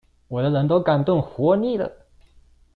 我的人都敢動，活膩了？